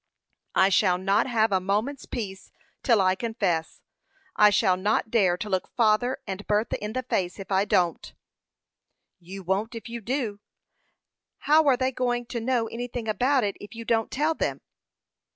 "I shall not have a moment's peace till I confess. I shall not dare to look father and Bertha in the face if I don't." "You won't if you do. How are they going to know anything about it, if you don't tell them?"